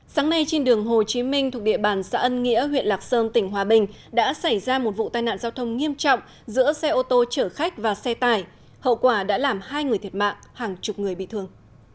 sáng nay trên đường hồ chí minh thuộc địa bàn xã ân nghĩa huyện lạc sơn tỉnh hòa bình đã xảy ra một vụ tai nạn giao thông nghiêm trọng giữa xe ô tô chở khách và xe tải hậu quả đã làm hai người thiệt mạng hàng chục người bị thương